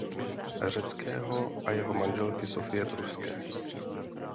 Řeckého a jeho manželky Sofie Pruské.